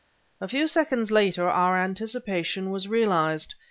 A few seconds later our anticipation was realized.